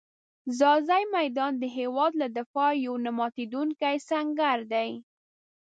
ځاځي میدان د هېواد له دفاع یو نه ماتېدونکی سنګر دی.